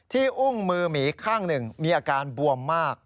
อุ้งมือหมีข้างหนึ่งมีอาการบวมมาก